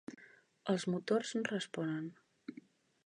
Els motors no responen.